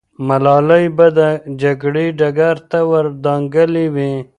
ملالۍ به د جګړې ډګر ته ور دانګلې وي.